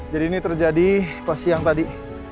jadi ini terjadi pas siang tadi